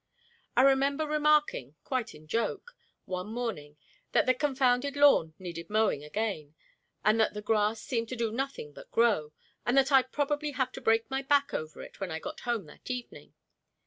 I remember remarking, quite in joke, one morning, that the confounded lawn needed mowing again, and that the grass seemed to do nothing but grow, and that I'd probably have to break my back over it when I got home that evening.